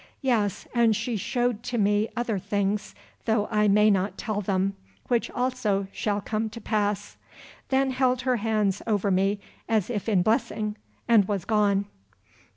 Yes, and she showed to me other things, though I may not tell them, which also shall come to pass, then held her hands over me as if in blessing, and was gone."